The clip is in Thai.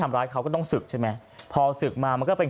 ทำร้ายเขาก็ต้องศึกใช่ไหมพอศึกมามันก็เป็น